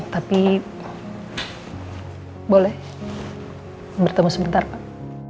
tapi boleh bertemu sebentar pak